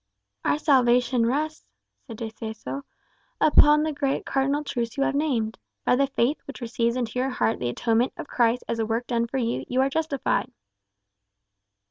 "Our salvation rests," said De Seso, "upon the great cardinal truths you have named. By the faith which receives into your heart the atonement of Christ as a work done for you, you are justified."